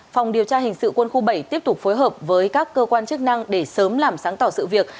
phòng điều tra hình sự quân khu bảy tiếp tục phối hợp với các cơ quan chức năng để sớm làm sáng tỏ sự việc